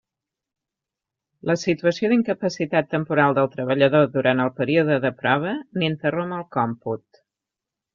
La situació d'incapacitat temporal del treballador durant el període de prova n'interromp el còmput.